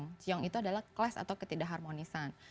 qiong itu adalah keles atau ketidak harmonisan